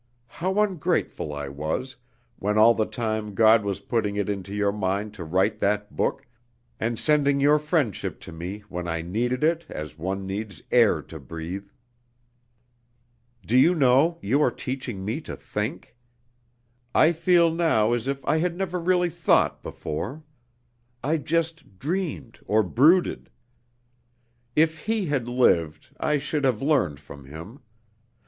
How ungrateful I was, when all the time God was putting it into your mind to write that book, and sending your friendship to me when I needed it as one needs air to breathe! "Do you know, you are teaching me to think? I feel now as if I had never really thought before. I just dreamed, or brooded. If he had lived, I should have learned from him.